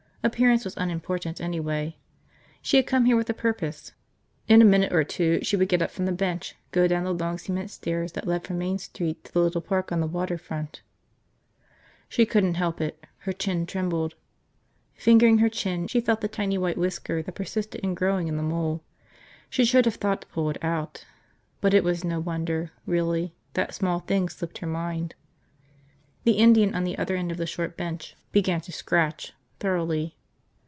Appearance was unimportant anyway. She had come here with a purpose. In a minute or two she would get up from the bench, go down the long cement stairs that led from Main Street to the little park on the water front. ... She couldn't help it, her chin trembled. Fingering her chin, she felt the tiny white whisker that persisted in growing in the mole. She should have thought to pull it out. But it was no wonder, really, that small things slipped her mind. The Indian on the other end of the short bench began to scratch, thoroughly.